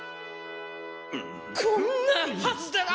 こんなはずでは！